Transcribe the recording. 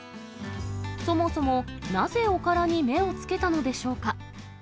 そもそも、なぜおからに目をつけたのでしょうか。